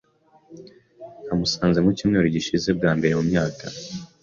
Namusanze mucyumweru gishize bwa mbere mumyaka.